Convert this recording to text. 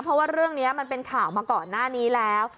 เพราะว่าเรื่องนี้มันเป็นข่าวมาก่อนหน้านี้แล้ว